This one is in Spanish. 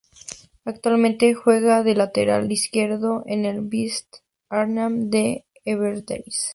Actualmente juega de lateral izquierdo en el Vitesse Arnhem de la Eredivisie.